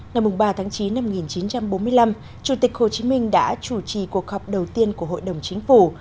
ngày ba tháng chín năm một nghìn chín trăm bốn mươi năm chủ tịch hồ chí minh đã chủ trì cuộc họp đầu tiên của hội đồng chính phủ